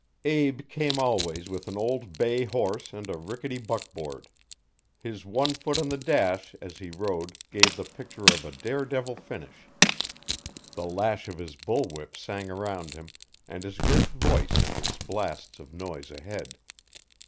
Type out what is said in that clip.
Abe came always with an old bay horse and a rickety buckboard. His one foot on the dash, as he rode, gave the picture a dare devil finish. The lash of his bull whip sang around him, and his great voice sent its blasts of noise ahead.